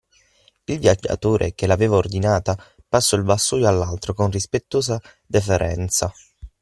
Il viaggiatore che l’aveva ordinata passò il vassoio all’altro con rispettosa deferenza.